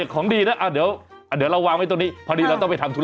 เออนนั่งสะอาดเดี๋ยวเราวางไว้ตรงนี้พอดีนะคะเราต้องไปทำธุระเออ